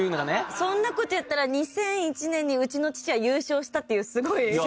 そんな事言ったら２００１年にうちの父は優勝したっていうすごい。